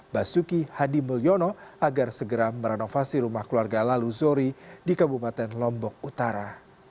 basuki hadi mulyono agar segera merenovasi rumah keluarga lalu zohri di kabupaten lombok utara